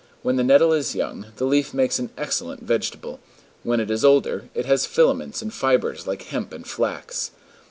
When the nettle is young, the leaf makes an excellent vegetable; when it is older, it has filaments and fibres like hemp and flax.